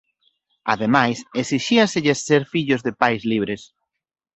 Ademais esixíaselles ser fillos de pais libres.